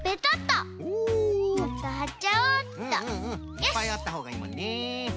いっぱいあったほうがいいもんね。